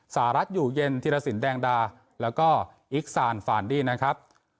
สหรัฐอยู่เย็นธิรสินแดงดาแล้วก็อิกซานฟานดี้นะครับ